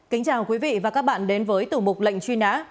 kính chào quý vị và các bạn đến với tiểu mục lệnh truy nã